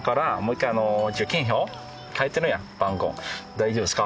大丈夫ですか？